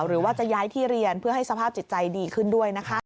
หรือว่าจะย้ายที่เรียนเพื่อให้สภาพจิตใจดีขึ้นด้วยนะคะ